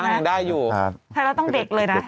ใช่แล้วต้องเด็กเลยนะ